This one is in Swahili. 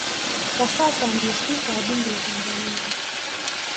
Kwa sasa ndiye Spika wa Bunge la Tanzania